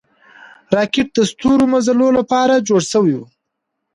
راکټ د ستورمزلو له پاره جوړ شوی و